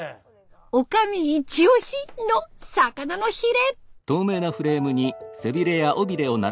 おかみイチオシの魚のヒレ。